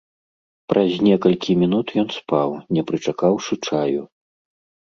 Праз некалькі мінут ён спаў, не прычакаўшы чаю.